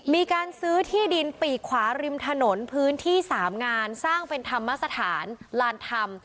มีการซื้อที่ดินปีกขวาริมถนนพื้นที่๓งานสร้างเป็นธรรมสถานลานธรรม